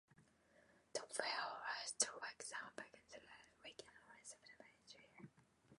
The fair lasts two weeks and begins the last weekend in September each year.